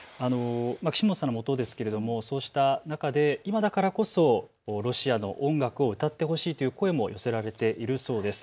岸本さんのもとですがそうした中、今だからこそロシアの音楽を歌ってほしいという声も寄せられているそうです。